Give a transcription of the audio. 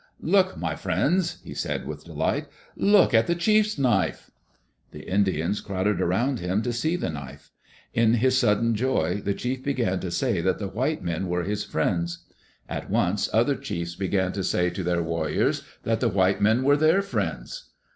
"Look, my friends," he said with delight. "Look at the chief's knife." The Indians crowded around him to see the knife. In his sudden joy the chief began to say diat the white men were his friends. Ajt once, other chiefs began to say to their warriors that the white men were their friends.